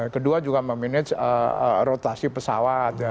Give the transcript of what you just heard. kedua juga memanage rotasi pesawat